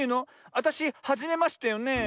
あたしはじめましてよねえ。